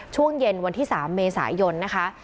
ช่วงเย็นวันที่๓เมษายนนะคะ